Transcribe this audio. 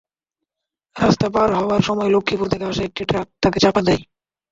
রাস্তা পার হওয়ার সময় লক্ষ্মীপুর থেকে আসা একটি ট্রাক তাঁকে চাপা দেয়।